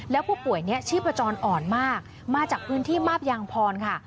แล้วผู้ป่วยนี้ชีพจรอ่อนมากมาจากพื้นที่มาบยางพรค่ะ